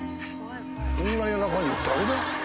こんな夜中に誰だ？